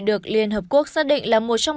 được liên hợp quốc xác định là một trong